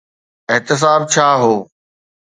احتساب ڇا هو؟